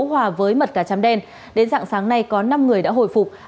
hòa với mật cà chăm đen đến dạng sáng nay có năm người đã hồi phục